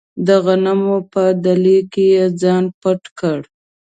د غنمو په دلۍ کې یې ځان پټ کړ.